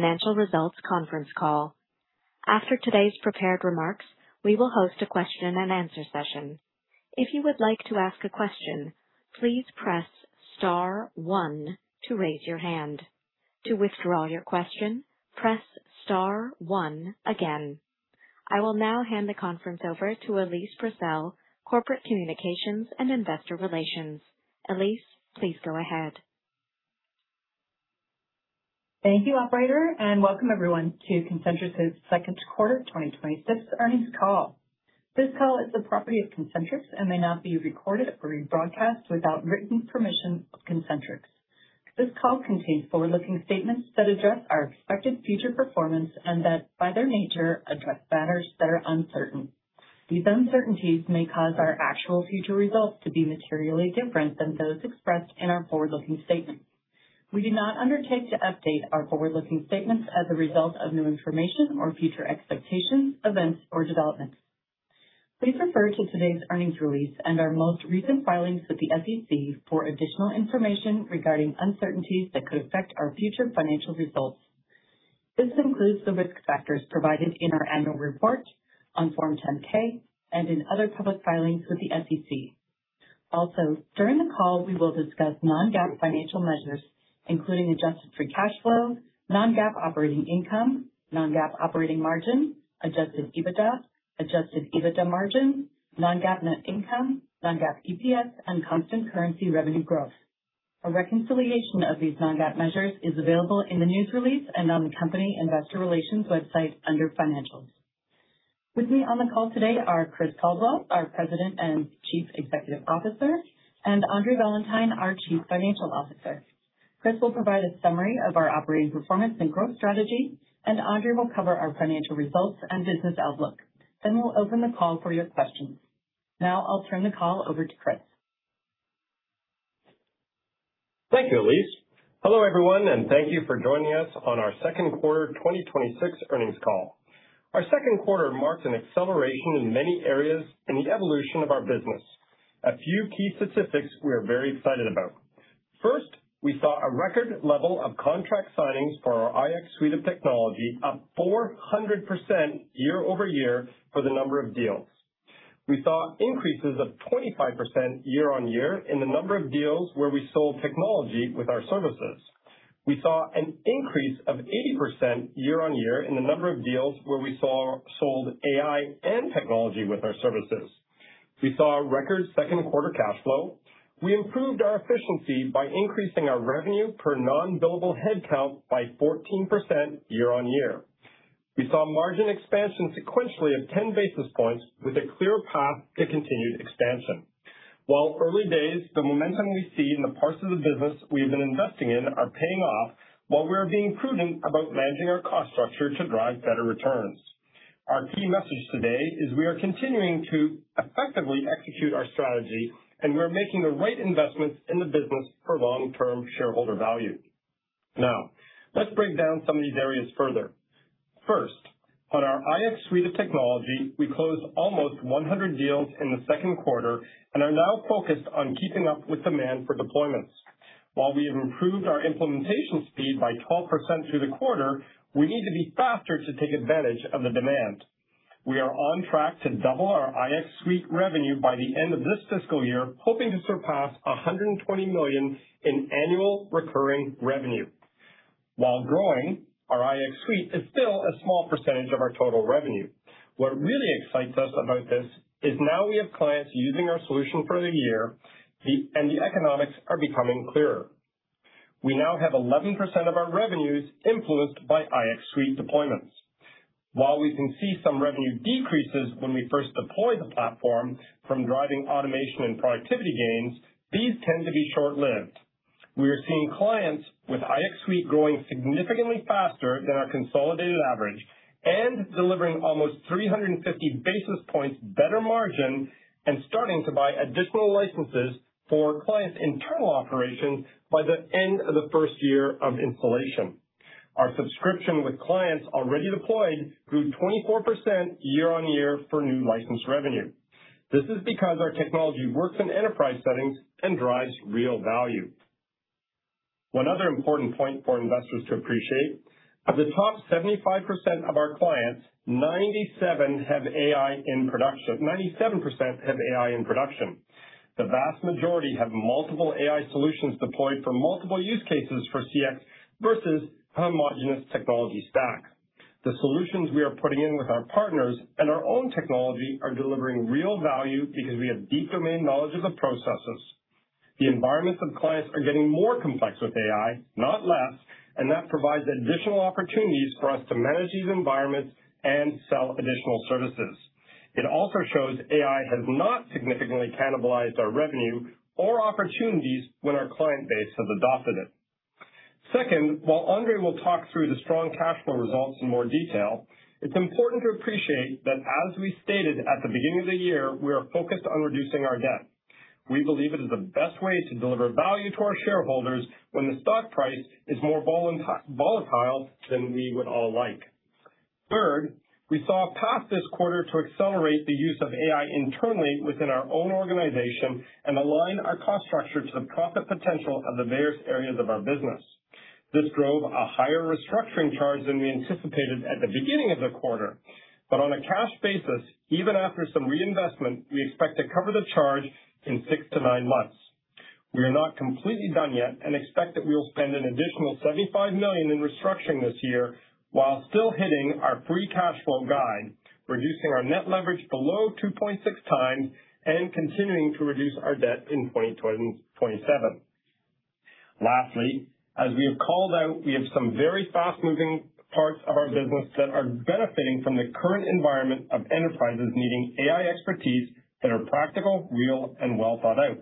Financial Results Conference Call. After today's prepared remarks, we will host a question and answer session. If you would like to ask a question, please press star one to raise your hand. To withdraw your question, press star one again. I will now hand the conference over to Elise Brassell, Corporate Communications and Investor Relations. Elise, please go ahead. Thank you, operator, and welcome everyone to Concentrix's Second Quarter 2026 Earnings Call. This call is the property of Concentrix and may not be recorded or rebroadcast without written permission of Concentrix. This call contains forward-looking statements that address our expected future performance and that, by their nature, address matters that are uncertain. These uncertainties may cause our actual future results to be materially different than those expressed in our forward-looking statements. We do not undertake to update our forward-looking statements as a result of new information or future expectations, events, or developments. Please refer to today's earnings release and our most recent filings with the SEC for additional information regarding uncertainties that could affect our future financial results. This includes the risk factors provided in our annual report on Form 10-K and in other public filings with the SEC. Also, during the call, we will discuss non-GAAP financial measures, including adjusted free cash flow, non-GAAP operating income, non-GAAP operating margin, adjusted EBITDA, adjusted EBITDA margin, non-GAAP net income, non-GAAP EPS, and constant currency revenue growth. A reconciliation of these non-GAAP measures is available in the news release and on the company investor relations website under Financials. With me on the call today are Chris Caldwell, our President and Chief Executive Officer, and Andre Valentine, our Chief Financial Officer. Chris will provide a summary of our operating performance and growth strategy, and Andre will cover our financial results and business outlook. We'll open the call for your questions. I'll turn the call over to Chris. Thank you, Elise. Hello, everyone, and thank you for joining us on our second quarter 2026 earnings call. Our second quarter marks an acceleration in many areas in the evolution of our business. A few key statistics we are very excited about. First, we saw a record level of contract signings for our iX Suite of technology, up 400% year-over-year for the number of deals. We saw increases of 25% year-on-year in the number of deals where we sold technology with our services. We saw an increase of 80% year-on-year in the number of deals where we sold AI and technology with our services. We saw a record second quarter cash flow. We improved our efficiency by increasing our revenue per non-billable headcount by 14% year-on-year. We saw margin expansion sequentially of 10 basis points with a clear path to continued expansion. While early days, the momentum we see in the parts of the business we have been investing in are paying off, while we are being prudent about managing our cost structure to drive better returns. Our key message today is we are continuing to effectively execute our strategy. We are making the right investments in the business for long-term shareholder value. Let's break down some of these areas further. First, on our iX Suite of technology, we closed almost 100 deals in the second quarter and are now focused on keeping up with demand for deployments. While we have improved our implementation speed by 12% through the quarter, we need to be faster to take advantage of the demand. We are on track to double our iX Suite revenue by the end of this fiscal year, hoping to surpass $120 million in annual recurring revenue. While growing, our iX Suite is still a small percentage of our total revenue. What really excites us about this is now we have clients using our solution for the year. The economics are becoming clearer. We now have 11% of our revenues influenced by iX Suite deployments. While we can see some revenue decreases when we first deploy the platform from driving automation and productivity gains, these tend to be short-lived. We are seeing clients with iX Suite growing significantly faster than our consolidated average and delivering almost 350 basis points better margin and starting to buy additional licenses for clients' internal operations by the end of the first year of installation. Our subscription with clients already deployed grew 24% year-on-year for new licensed revenue. This is because our technology works in enterprise settings and drives real value. One other important point for investors to appreciate, of the top 75% of our clients, 97% have AI in production. The vast majority have multiple AI solutions deployed for multiple use cases for CX versus homogeneous technology stack. The solutions we are putting in with our partners and our own technology are delivering real value because we have deep domain knowledge of the processes. The environments of clients are getting more complex with AI, not less. That provides additional opportunities for us to manage these environments and sell additional services. It also shows AI has not significantly cannibalized our revenue or opportunities when our client base has adopted it. Second, while Andre will talk through the strong cash flow results in more detail, it's important to appreciate that as we stated at the beginning of the year, we are focused on reducing our debt. We believe it is the best way to deliver value to our shareholders when the stock price is more volatile than we would all like. Third, we saw a path this quarter to accelerate the use of AI internally within our own organization and align our cost structure to the profit potential of the various areas of our business. This drove a higher restructuring charge than we anticipated at the beginning of the quarter. On a cash basis, even after some reinvestment, we expect to cover the charge in six to nine months. We are not completely done yet and expect that we will spend an additional $75 million in restructuring this year while still hitting our free cash flow guide, reducing our net leverage below 2.6x and continuing to reduce our debt in 2027. Lastly, as we have called out, we have some very fast-moving parts of our business that are benefiting from the current environment of enterprises needing AI expertise that are practical, real and well thought out.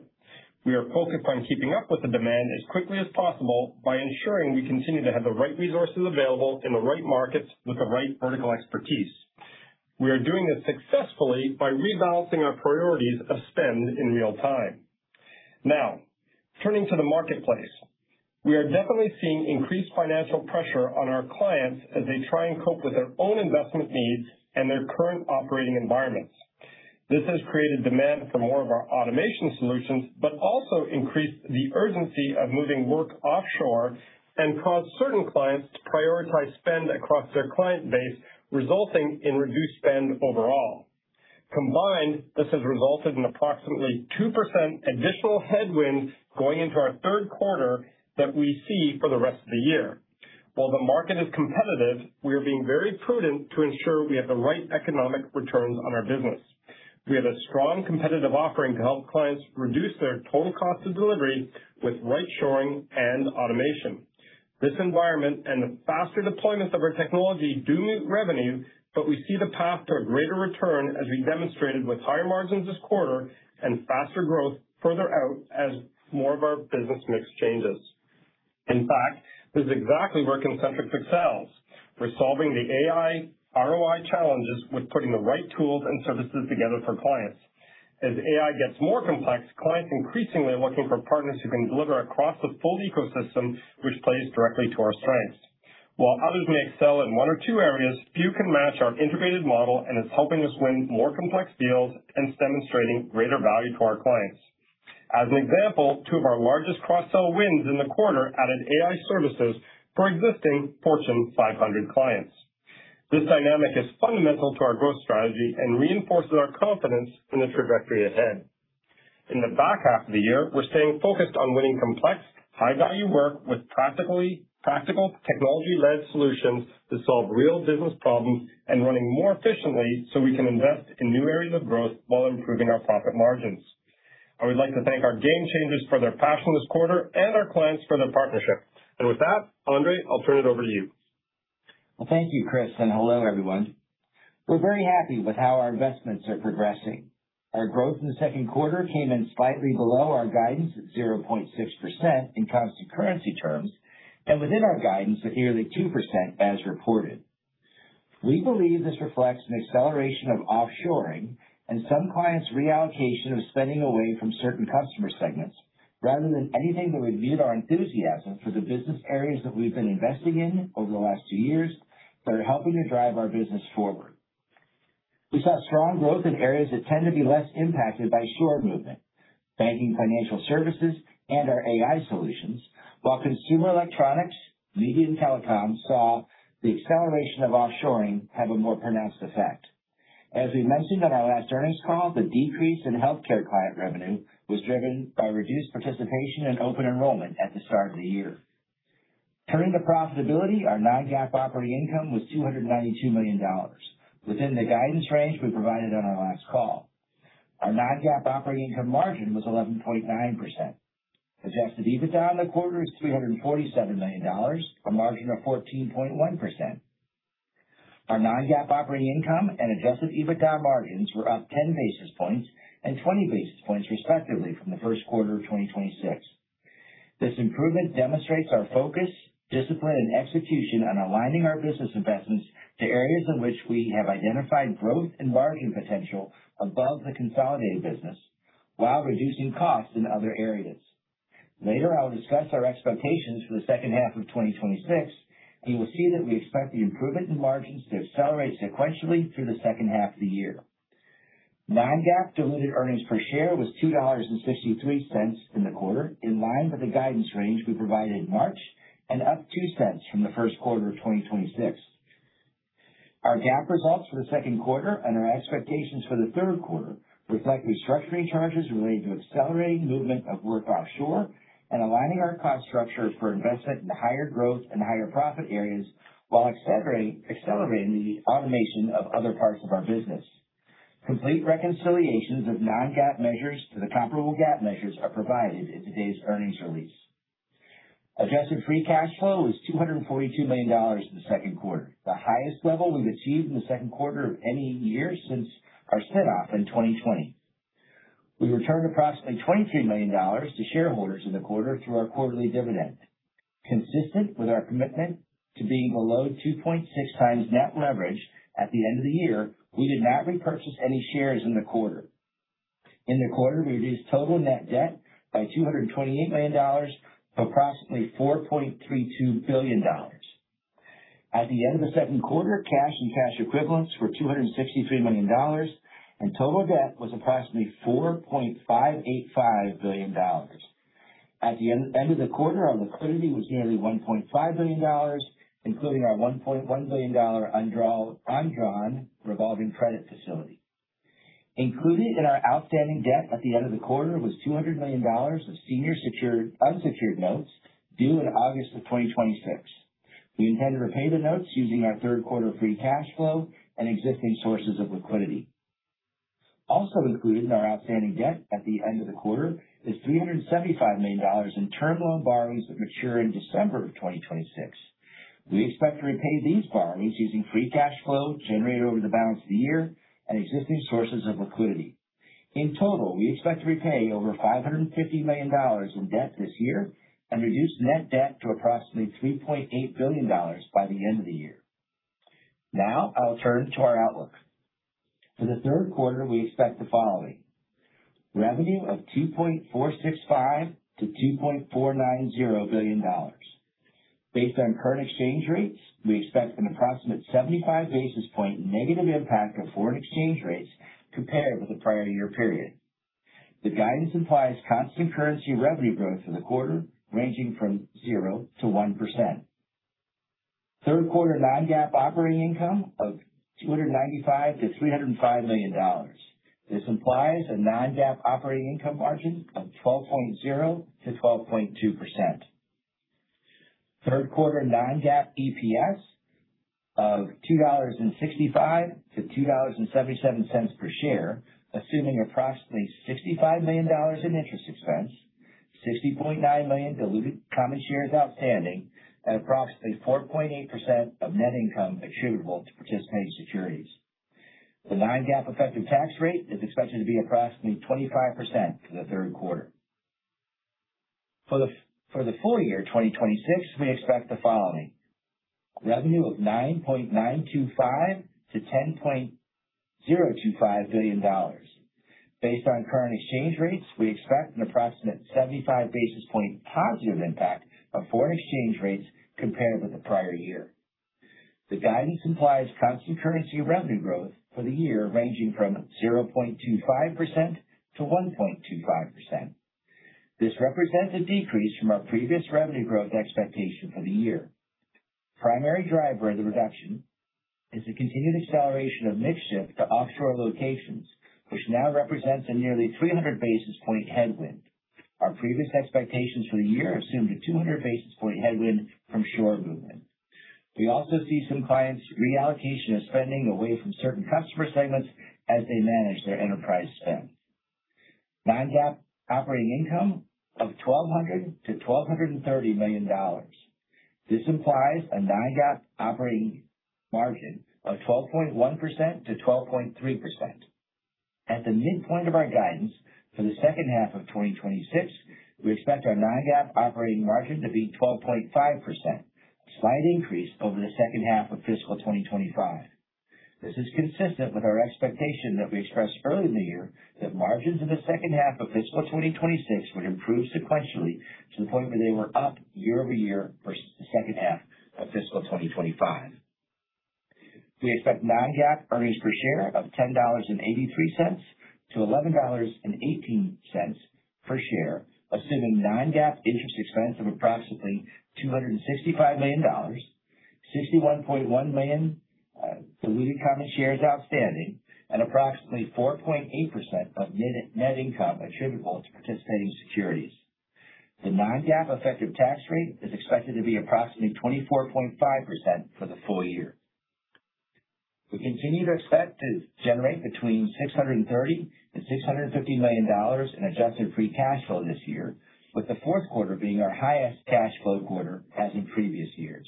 We are focused on keeping up with the demand as quickly as possible by ensuring we continue to have the right resources available in the right markets with the right vertical expertise. We are doing this successfully by rebalancing our priorities of spend in real time. Turning to the marketplace. We are definitely seeing increased financial pressure on our clients as they try and cope with their own investment needs and their current operating environments. This has created demand for more of our automation solutions, but also increased the urgency of moving work offshore and caused certain clients to prioritize spend across their client base, resulting in reduced spend overall. Combined, this has resulted in approximately 2% additional headwinds going into our third quarter that we see for the rest of the year. The market is competitive, we are being very prudent to ensure we have the right economic returns on our business. We have a strong competitive offering to help clients reduce their total cost of delivery with right shoring and automation. This environment and the faster deployments of our technology do meet revenue, but we see the path to a greater return as we demonstrated with higher margins this quarter and faster growth further out as more of our business mix changes. In fact, this is exactly where Concentrix excels. We are solving the AI ROI challenges with putting the right tools and services together for clients. As AI gets more complex, clients increasingly are looking for partners who can deliver across the full ecosystem, which plays directly to our strengths. While others may excel in one or two areas, few can match our integrated model, and it's helping us win more complex deals and it's demonstrating greater value to our clients. As an example, two of our largest cross-sell wins in the quarter added AI services for existing Fortune 500 clients. This dynamic is fundamental to our growth strategy and reinforces our confidence in the trajectory ahead. In the back half of the year, we are staying focused on winning complex, high-value work with practical technology-led solutions to solve real business problems and running more efficiently so we can invest in new areas of growth while improving our profit margins. I would like to thank our game changers for their passion this quarter and our clients for their partnership. With that, Andre, I'll turn it over to you. Well, thank you, Chris, and hello, everyone. We're very happy with how our investments are progressing. Our growth in the second quarter came in slightly below our guidance at 0.6% in constant currency terms and within our guidance at nearly 2% as reported. We believe this reflects an acceleration of offshoring and some clients reallocation of spending away from certain customer segments rather than anything that would mute our enthusiasm for the business areas that we've been investing in over the last two years that are helping to drive our business forward. We saw strong growth in areas that tend to be less impacted by shore movement, banking financial services and our AI solutions. While consumer electronics, media, and telecom saw the acceleration of offshoring have a more pronounced effect. As we mentioned on our last earnings call, the decrease in healthcare client revenue was driven by reduced participation in open enrollment at the start of the year. Turning to profitability, our non-GAAP operating income was $292 million within the guidance range we provided on our last call. Our non-GAAP operating income margin was 11.9%. Adjusted EBITDA on the quarter is $347 million, a margin of 14.1%. Our non-GAAP operating income and adjusted EBITDA margins were up 10 basis points and 20 basis points respectively from the first quarter of 2026. This improvement demonstrates our focus, discipline and execution on aligning our business investments to areas in which we have identified growth and margin potential above the consolidated business while reducing costs in other areas. Later, I will discuss our expectations for the second half of 2026, and you will see that we expect the improvement in margins to accelerate sequentially through the second half of the year. Non-GAAP diluted earnings per share was $2.63 in the quarter, in line with the guidance range we provided in March and up $0.02 from the first quarter of 2026. Our GAAP results for the second quarter and our expectations for the third quarter reflect restructuring charges related to accelerating movement of work offshore and aligning our cost structure for investment in higher growth and higher profit areas while accelerating the automation of other parts of our business. Complete reconciliations of non-GAAP measures to the comparable GAAP measures are provided in today's earnings release. Adjusted free cash flow was $242 million in the second quarter, the highest level we've achieved in the second quarter of any year since our spin-off in 2020. We returned approximately $23 million to shareholders in the quarter through our quarterly dividend. Consistent with our commitment to being below 2.6x net leverage at the end of the year, we did not repurchase any shares in the quarter. In the quarter, we reduced total net debt by $228 million to approximately $4.32 billion. At the end of the second quarter, cash and cash equivalents were $263 million, and total debt was approximately $4.585 billion. At the end of the quarter, our liquidity was nearly $1.5 billion, including our $1.1 billion undrawn revolving credit facility. Included in our outstanding debt at the end of the quarter was $200 million of senior unsecured notes due in August of 2026. We intend to repay the notes using our third quarter free cash flow and existing sources of liquidity. Also included in our outstanding debt at the end of the quarter is $375 million in term loan borrowings that mature in December of 2026. We expect to repay these borrowings using free cash flow generated over the balance of the year and existing sources of liquidity. In total, we expect to repay over $550 million in debt this year and reduce net debt to approximately $3.8 billion by the end of the year. Now I'll turn to our outlook. For the third quarter, we expect the following: revenue of $2.465 billion-$2.490 billion. Based on current exchange rates, we expect an approximate 75 basis point negative impact of foreign exchange rates compared with the prior year period. The guidance implies constant currency revenue growth for the quarter ranging from 0%-1%. Third quarter non-GAAP operating income of $295 million-$305 million. This implies a non-GAAP operating income margin of 12.0%-12.2%. Third quarter non-GAAP EPS of $2.65-$2.77 per share, assuming approximately $65 million in interest expense, 60.9 million diluted common shares outstanding, and approximately 4.8% of net income attributable to participating securities. The non-GAAP effective tax rate is expected to be approximately 25% for the third quarter. For the full year 2026, we expect the following: revenue of $9.925 billion-$10.025 billion. Based on current exchange rates, we expect an approximate 75 basis point positive impact of foreign exchange rates compared with the prior year. The guidance implies constant currency revenue growth for the year ranging from 0.25%-1.25%. This represents a decrease from our previous revenue growth expectation for the year. Primary driver of the reduction is the continued acceleration of mix shift to offshore locations, which now represents a nearly 300 basis point headwind. Our previous expectations for the year assumed a 200 basis point headwind from shore movement. We also see some clients reallocation of spending away from certain customer segments as they manage their enterprise spend. Non-GAAP operating income of $1,200 million-$1,230 million. This implies a non-GAAP operating margin of 12.1%-12.3%. At the midpoint of our guidance for the second half of 2026, we expect our non-GAAP operating margin to be 12.5%, a slight increase over the second half of fiscal 2025. This is consistent with our expectation that we expressed earlier in the year that margins in the second half of fiscal 2026 would improve sequentially to the point where they were up year-over-year for the second half of fiscal 2025. We expect non-GAAP earnings per share of $10.83-$11.18 per share, assuming non-GAAP interest expense of approximately $265 million, 61.1 million diluted common shares outstanding, and approximately 4.8% of net income attributable to participating securities. The non-GAAP effective tax rate is expected to be approximately 24.5% for the full year. We continue to expect to generate between $630 million-$650 million in adjusted free cash flow this year, with the fourth quarter being our highest cash flow quarter as in previous years.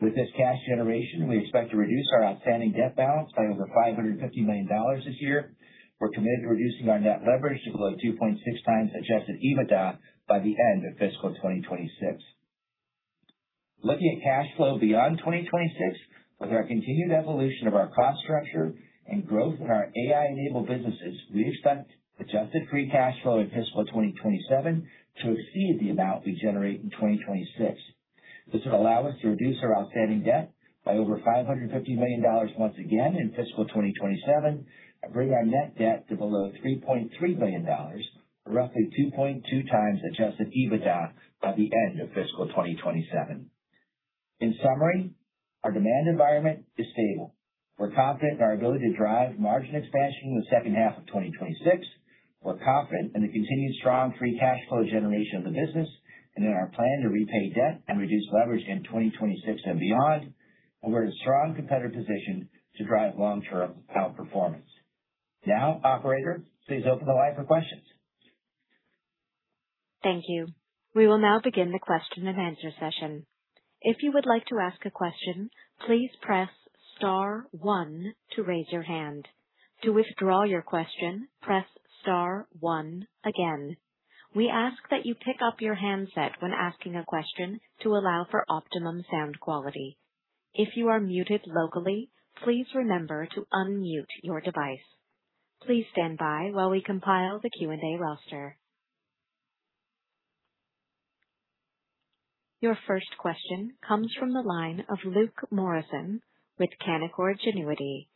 With this cash generation, we expect to reduce our outstanding debt balance by over $550 million this year. We're committed to reducing our net leverage to below 2.6x adjusted EBITDA by the end of fiscal 2026. Looking at cash flow beyond 2026, with our continued evolution of our cost structure and growth in our AI-enabled businesses, we expect adjusted free cash flow in fiscal 2027 to exceed the amount we generate in 2026. This will allow us to reduce our outstanding debt by over $550 million once again in fiscal 2027 and bring our net debt to below $3.3 billion, or roughly 2.2x adjusted EBITDA by the end of fiscal 2027. In summary, our demand environment is stable. We're confident in our ability to drive margin expansion in the second half of 2026. We're confident in the continued strong free cash flow generation of the business and in our plan to repay debt and reduce leverage in 2026 and beyond. We're in a strong competitive position to drive long-term outperformance. Operator, please open the line for questions. Thank you. We will now begin the question-and-answer session. If you would like to ask a question, please press star one to raise your hand. To withdraw your question, press star one again. We ask that you pick up your handset when asking a question to allow for optimum sound quality. If you are muted locally, please remember to unmute your device. Please stand by while we compile the Q&A roster. Your first question comes from the line of Luke Morison with Canaccord Genuity.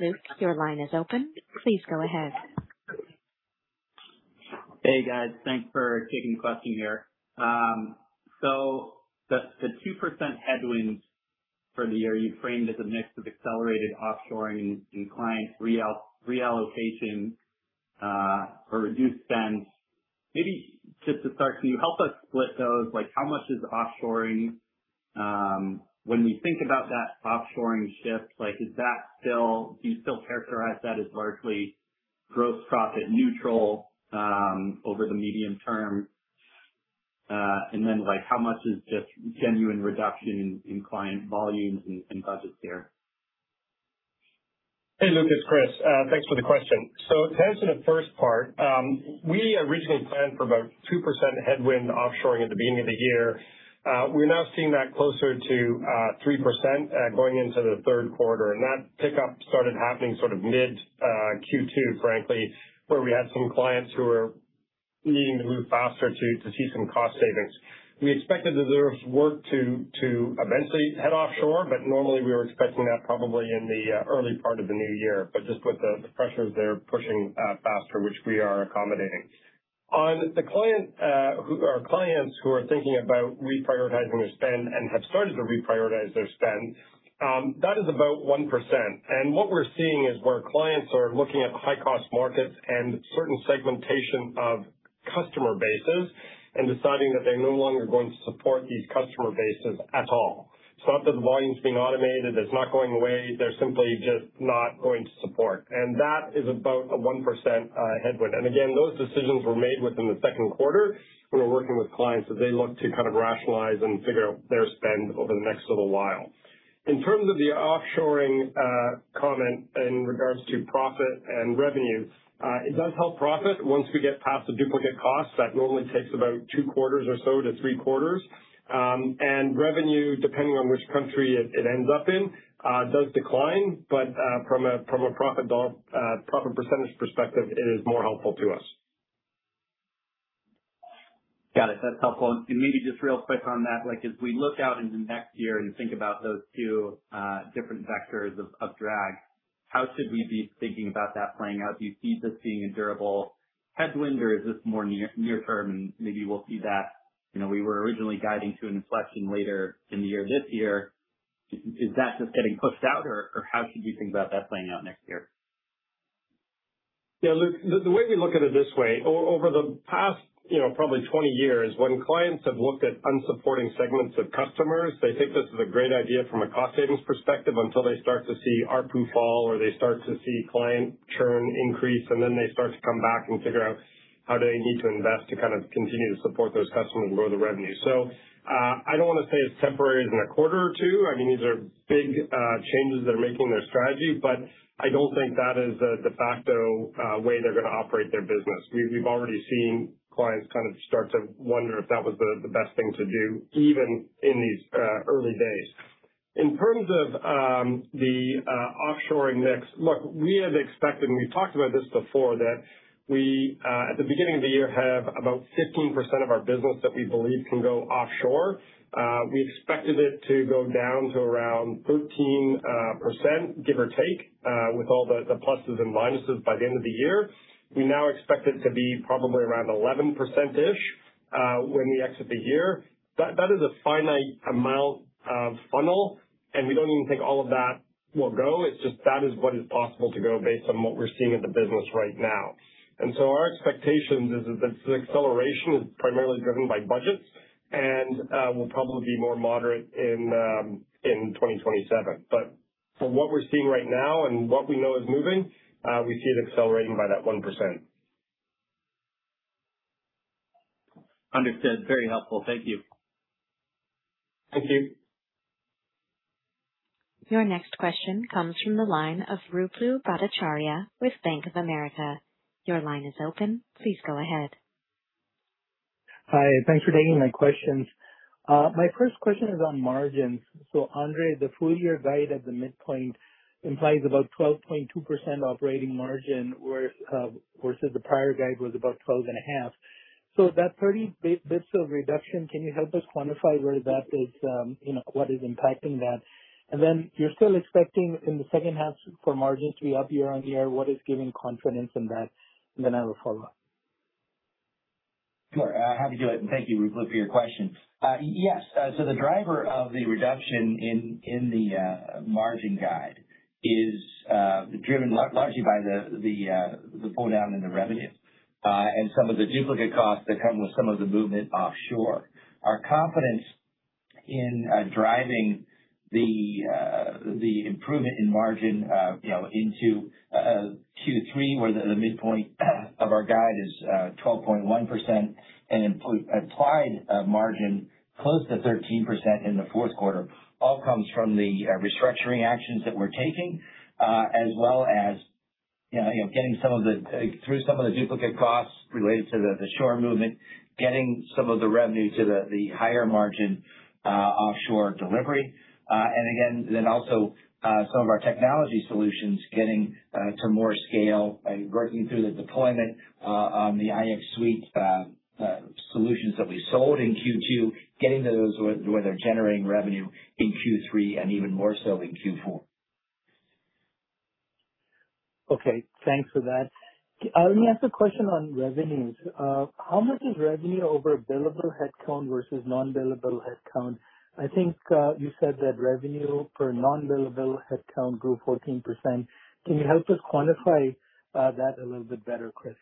Luke, your line is open. Please go ahead. Hey, guys. Thanks for taking the question here. The 2% headwind for the year you framed as a mix of accelerated offshoring and client reallocation, or reduced spend. Maybe just to start, can you help us split those? How much is offshoring? When we think about that offshoring shift, do you still characterize that as largely gross profit neutral over the medium term? How much is just genuine reduction in client volumes and budgets there? Luke, it's Chris. Thanks for the question. To answer the first part, we originally planned for about 2% headwind offshoring at the beginning of the year. We're now seeing that closer to 3% going into the third quarter, that pickup started happening sort of mid Q2, frankly, where we had some clients who were needing to move faster to see some cost savings. We expected that there was work to eventually head offshore, but normally we were expecting that probably in the early part of the new year. Just with the pressures there, pushing faster, which we are accommodating. On the clients who are thinking about reprioritizing their spend and have started to reprioritize their spend, that is about 1%. What we're seeing is where clients are looking at high-cost markets and certain segmentation of customer bases and deciding that they're no longer going to support these customer bases at all. It's not that the volume's being automated, it's not going away. They're simply just not going to support, that is about a 1% headwind. Again, those decisions were made within the second quarter when we're working with clients as they look to kind of rationalize and figure out their spend over the next little while. In terms of the offshoring comment in regards to profit and revenue, it does help profit once we get past the duplicate costs. That normally takes about two quarters or so to three quarters. Revenue, depending on which country it ends up in, does decline, but from a profit percentage perspective, it is more helpful to us. Got it. That's helpful. Maybe just real quick on that, as we look out into next year and think about those two different vectors of drag, how should we be thinking about that playing out? Do you see this being a durable headwind, or is this more near-term? We were originally guiding to an inflection later in the year this year. Is that just getting pushed out, or how should we think about that playing out next year? Yeah, Luke, the way we look at it this way, over the past probably 20 years, when clients have looked at unsupporting segments of customers, they think this is a great idea from a cost savings perspective until they start to see ARPU fall, they start to see client churn increase, they start to come back and figure out how do they need to invest to kind of continue to support those customers and grow the revenue. I don't want to say it's temporary as in a quarter or two. These are big changes they're making their strategy, but I don't think that is a de facto way they're going to operate their business. We've already seen clients kind of start to wonder if that was the best thing to do, even in these early days. In terms of the offshoring mix, look, we have expected, and we've talked about this before, that we, at the beginning of the year, have about 15% of our business that we believe can go offshore. We expected it to go down to around 13%, give or take, with all the pluses and minuses by the end of the year. We now expect it to be probably around 11%-ish when we exit the year. That is a finite amount of funnel, and we don't even think all of that will go. It's just that is what is possible to go based on what we're seeing in the business right now. Our expectation is that this acceleration is primarily driven by budgets and will probably be more moderate in 2027. From what we're seeing right now and what we know is moving, we see it accelerating by that 1%. Understood. Very helpful. Thank you. Thank you. Your next question comes from the line of Ruplu Bhattacharya with Bank of America. Your line is open. Please go ahead. Hi. Thanks for taking my questions. My first question is on margins. Andre, the full-year guide at the midpoint implies about 12.2% operating margin, versus the prior guide was about 12.5%. That 30 basis points of reduction, can you help us quantify where that is? What is impacting that? You're still expecting in the second half for margin to be up year-on-year. What is giving confidence in that in the near term? Sure. Happy to do it, and thank you, Ruplu, for your question. Yes. The driver of the reduction in the margin guide is driven largely by the pull-down in the revenue. Some of the duplicate costs that come with some of the movement offshore. Our confidence in driving the improvement in margin into Q3, where the midpoint of our guide is 12.1% and implied margin close to 13% in the fourth quarter, all comes from the restructuring actions that we're taking as well as getting through some of the duplicate costs related to the shore movement, getting some of the revenue to the higher margin offshore delivery. Again, then also some of our technology solutions getting to more scale and working through the deployment on the iX Suite solutions that we sold in Q2, getting those where they're generating revenue in Q3 and even more so in Q4. Okay. Thanks for that. Let me ask a question on revenues. How much is revenue over billable headcount versus non-billable headcount? I think you said that revenue per non-billable headcount grew 14%. Can you help us quantify that a little bit better, Chris?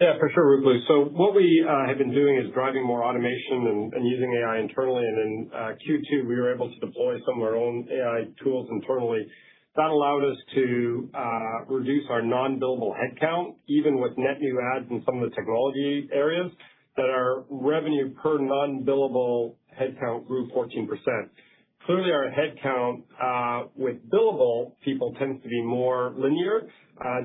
Yeah, for sure, Ruplu. What we have been doing is driving more automation and using AI internally. In Q2, we were able to deploy some of our own AI tools internally. That allowed us to reduce our non-billable headcount, even with net new adds in some of the technology areas, that our revenue per non-billable headcount grew 14%. Clearly, our headcount with billable people tends to be more linear,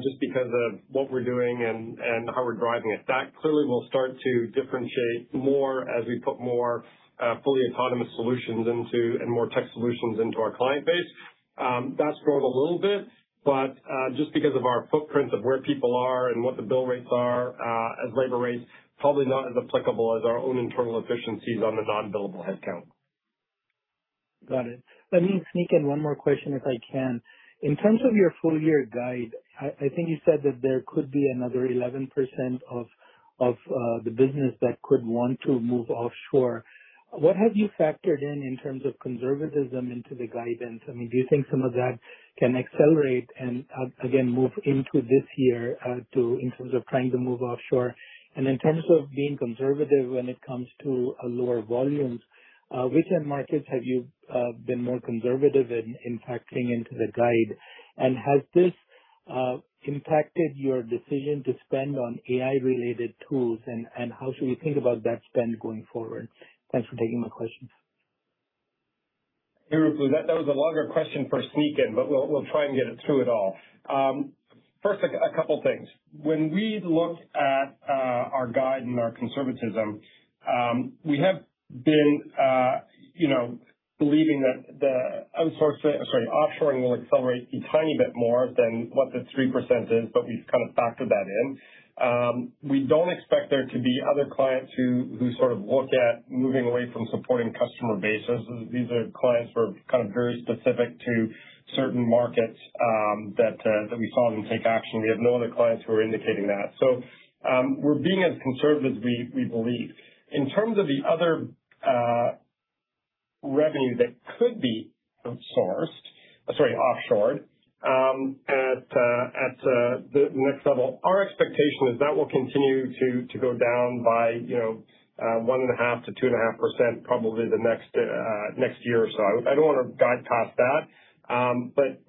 just because of what we're doing and how we're driving it. That clearly will start to differentiate more as we put more fully autonomous solutions into and more tech solutions into our client base. That's grown a little bit, but just because of our footprint of where people are and what the bill rates are as labor rates, probably not as applicable as our own internal efficiencies on the non-billable headcount. Got it. Let me sneak in one more question if I can. In terms of your full-year guide, I think you said that there could be another 11% of the business that could want to move offshore. What have you factored in terms of conservatism into the guidance? Do you think some of that can accelerate and, again, move into this year in terms of trying to move offshore? In terms of being conservative when it comes to lower volumes, which end markets have you been more conservative in factoring into the guide? Has this impacted your decision to spend on AI-related tools? How should we think about that spend going forward? Thanks for taking my questions. Hey, Ruplu. That was a longer question for a sneak in, we'll try and get it through it all. First, a couple of things. When we look at our guide and our conservatism, we have been believing that offshoring will accelerate a tiny bit more than what the 3% is, we've kind of factored that in. We don't expect there to be other clients who sort of look at moving away from supporting customer bases. These are clients who are kind of very specific to certain markets that we saw them take action. We have no other clients who are indicating that. We're being as conservative as we believe. In terms of the other revenue that could be outsourced-- sorry, offshored at the next level, our expectation is that will continue to go down by 1.5%-2.5% probably the next year or so. I don't want to guide past that.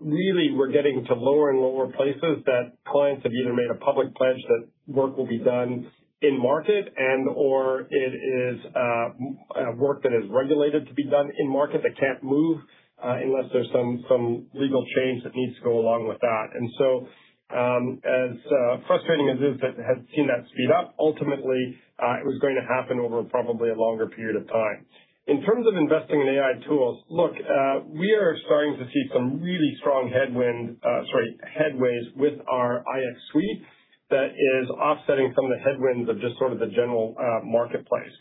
Really, we're getting to lower and lower places that clients have either made a public pledge that work will be done in market and, or it is work that is regulated to be done in market that can't move unless there's some legal change that needs to go along with that. As frustrating as it is that has seen that speed up, ultimately, it was going to happen over probably a longer period of time. In terms of investing in AI tools, look, we are starting to see some really strong headways with our iX Suite that is offsetting some of the headwinds of just sort of the general marketplace.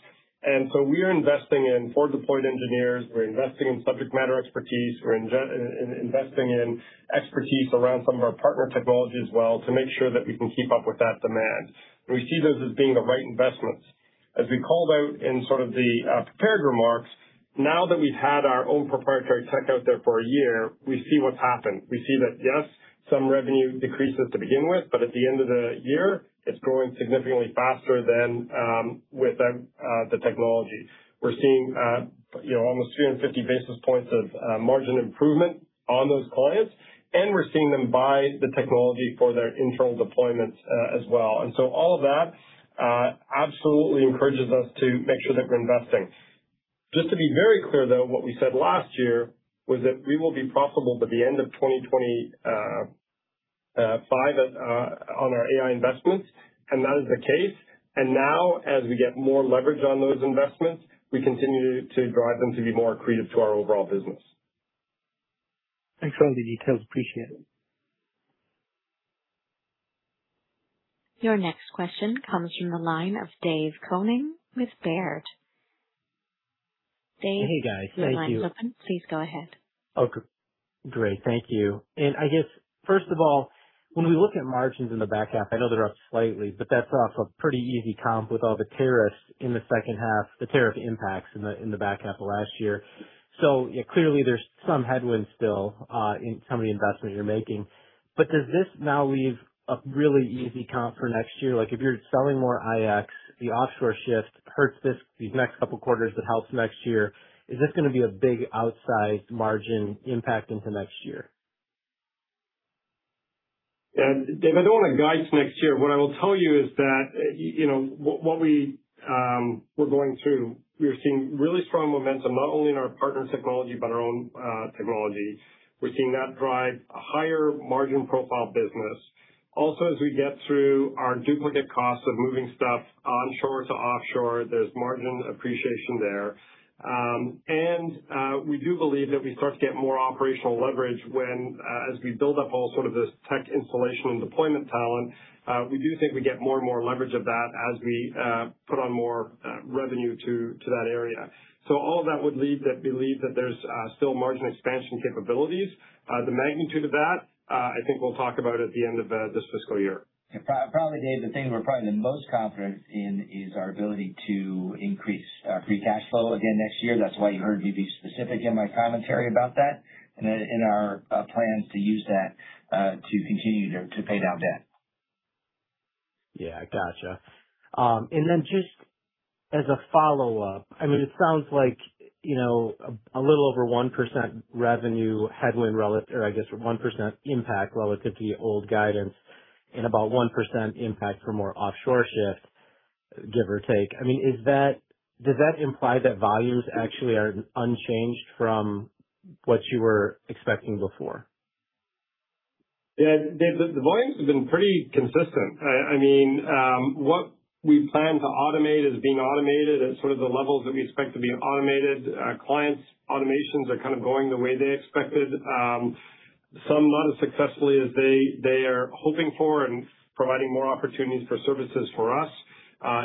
We are investing in forward-deployed engineers, we're investing in subject matter expertise, we're investing in expertise around some of our partner technology as well to make sure that we can keep up with that demand. We see those as being the right investments. As we called out in sort of the prepared remarks, now that we've had our own proprietary tech out there for a year, we see what's happened. We see that, yes, some revenue decreases to begin with, but at the end of the year, it's growing significantly faster than with the technology. We're seeing almost 350 basis points of margin improvement on those clients, and we're seeing them buy the technology for their internal deployments as well. All of that absolutely encourages us to make sure that we're investing. Just to be very clear, though, what we said last year was that we will be profitable by the end of 2025 on our AI investments, and that is the case. Now, as we get more leverage on those investments, we continue to drive them to be more accretive to our overall business. Thanks for all the details. Appreciate it. Your next question comes from the line of Dave Koning with Baird. Hey, guys. Thank you. Your line's open. Please go ahead. Okay. Great. Thank you. I guess, first of all, when we look at margins in the back half, I know they're up slightly, but that's off a pretty easy comp with all the tariffs in the second half, the tariff impacts in the back half of last year. Clearly, there's some headwinds still in some of the investments you're making. Does this now leave a really easy comp for next year? If you're selling more iX, the offshore shift hurts this these next couple of quarters but helps next year. Is this going to be a big outsized margin impact into next year? Yeah. Dave, I don't want to guide to next year. What I will tell you is that what we're going through, we are seeing really strong momentum, not only in our partner technology but our own technology. We're seeing that drive a higher margin profile business. Also, as we get through our duplicate costs of moving stuff onshore to offshore, there's margin appreciation there. We do believe that we start to get more operational leverage as we build up all sort of this tech installation and deployment talent. We do think we get more and more leverage of that as we put on more revenue to that area. All of that would lead to believe that there's still margin expansion capabilities. The magnitude of that, I think we'll talk about at the end of this fiscal year. Probably, Dave, the thing we're probably the most confident in is our ability to increase free cash flow again next year. That's why you heard me be specific in my commentary about that and in our plans to use that, to continue to pay down debt. Yeah. Got you. Just as a follow-up, it sounds like a little over 1% revenue headwind or I guess 1% impact relative to the old guidance and about 1% impact for more offshore shift, give or take. Does that imply that volumes actually are unchanged from what you were expecting before? Yeah. Dave, the volumes have been pretty consistent. What we plan to automate is being automated at sort of the levels that we expect to be automated. Clients' automations are kind of going the way they expected. Some not as successfully as they are hoping for and providing more opportunities for services for us,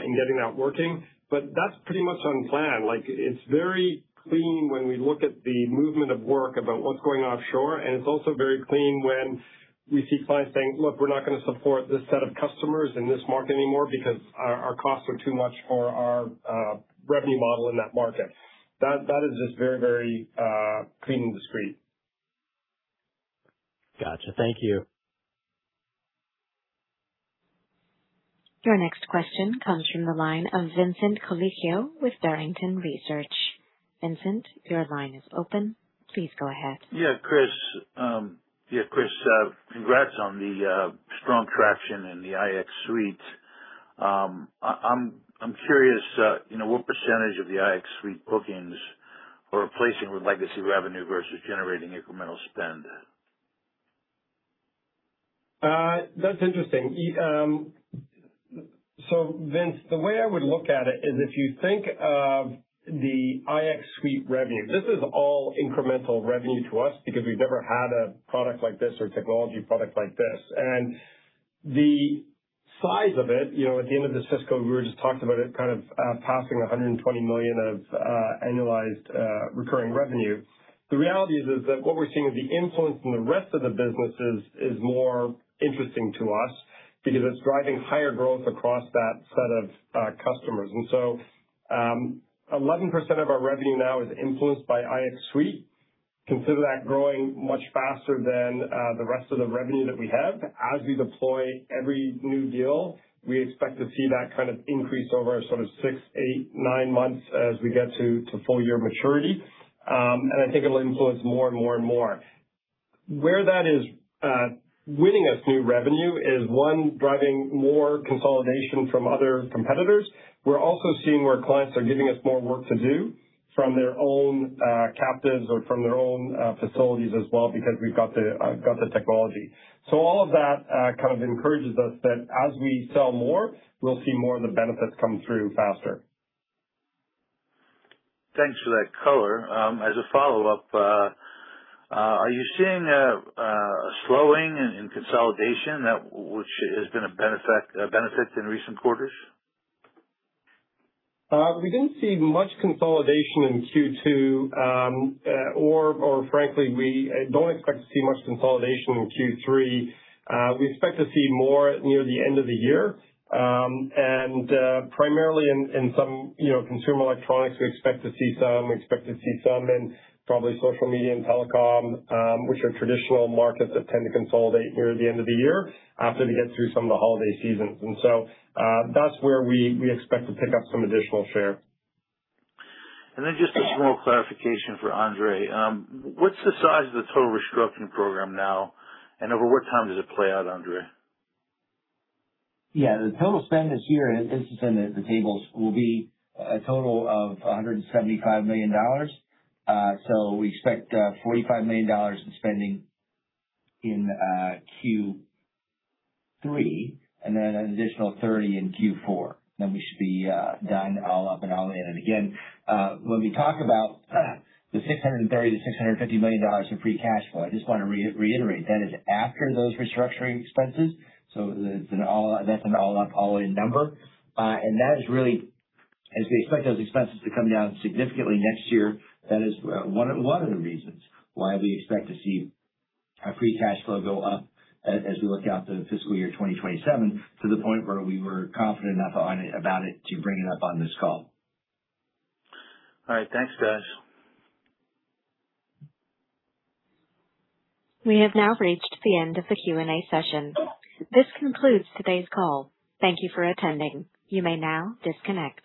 in getting that working. That's pretty much on plan. Like, it's very clean when we look at the movement of work about what's going offshore, and it's also very clean when we see clients saying, "Look, we're not going to support this set of customers in this market anymore because our costs are too much for our revenue model in that market." That is just very clean and discreet. Got you. Thank you. Your next question comes from the line of Vincent Colicchio with Barrington Research. Vincent, your line is open. Please go ahead. Yeah, Chris. Congrats on the strong traction in the iX Suite. I'm curious, what percentage of the iX Suite bookings are replacing with legacy revenue versus generating incremental spend? Vince, the way I would look at it is if you think of the iX Suite revenue, this is all incremental revenue to us because we've never had a product like this or technology product like this. The size of it, at the end of this fiscal, we were just talking about it kind of passing $120 million of annualized recurring revenue. The reality is that what we're seeing is the influence from the rest of the businesses is more interesting to us because it's driving higher growth across that set of customers. 11% of our revenue now is influenced by iX Suite. Consider that growing much faster than the rest of the revenue that we have. As we deploy every new deal, we expect to see that kind of increase over sort of six, eight, nine months as we get to full-year maturity. I think it'll influence more and more and more. Where that is winning us new revenue is, one, driving more consolidation from other competitors. We're also seeing where clients are giving us more work to do from their own captives or from their own facilities as well because we've got the technology. All of that kind of encourages us that as we sell more, we'll see more of the benefits come through faster. Thanks for that color. As a follow-up, are you seeing a slowing in consolidation that which has been a benefit in recent quarters? We didn't see much consolidation in Q2, or frankly, we don't expect to see much consolidation in Q3. We expect to see more near the end of the year. Primarily in some consumer electronics, we expect to see some. We expect to see some in probably social media and telecom, which are traditional markets that tend to consolidate near the end of the year after they get through some of the holiday seasons. That's where we expect to pick up some additional share. Just a small clarification for Andre. What's the size of the total restructuring program now, and over what time does it play out, Andre? Yeah. The total spend this year, and this is in the tables, will be a total of $175 million. We expect $45 million in spending in Q3 and then an additional $30 in Q4. We should be done all up and all in. Again, when we talk about the $630 million-$650 million of free cash flow, I just want to reiterate, that is after those restructuring expenses. That's an all up, all in number. That is really, as we expect those expenses to come down significantly next year, that is one of the reasons why we expect to see our free cash flow go up as we look out to fiscal year 2027, to the point where we were confident enough about it to bring it up on this call. All right. Thanks, guys. We have now reached the end of the Q&A session. This concludes today's call. Thank you for attending. You may now disconnect.